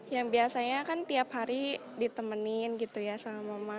yang biasanya kan tiap hari ditemenin gitu ya sama mama